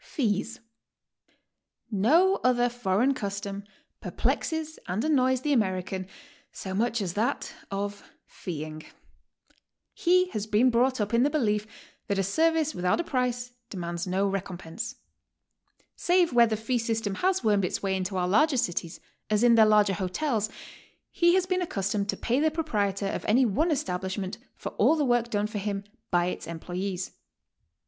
FEES. No other foreign custom perplexes arid annoys t!he American so much as that of feeing. He has been brought up in the belief that a service without a price demands no recom pense. Save where the fee system has wormed its way into our larger cities, as in their larger hotels, he has been ac customed to pay the proprietor of any one establishment for all the work done for him by its employees.